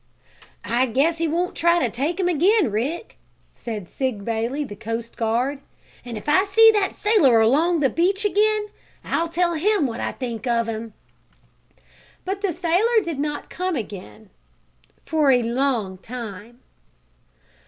"I guess he won't try to take him again, Rick," said Sig Bailey, the coast guard. "And if I see that sailor along the beach again I'll tell him what I think of him!" But the sailor did not come again for a long time.